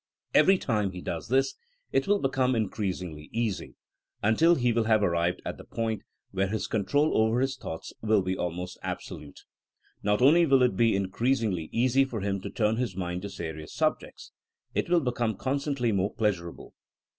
Every time he does this it will become increasingly easy, until he will have arrived at the point where his control over his thoughts will be almost absolute. Not only will it be in creasingly easy for him to turn his mind to se rious subjects. It will become constantly more pleasurable.